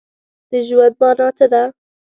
د ژوند مانا څه ده؟